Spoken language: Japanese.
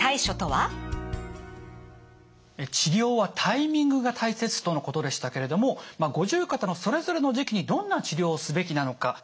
治療はタイミングが大切とのことでしたけれども五十肩のそれぞれの時期にどんな治療をすべきなのか。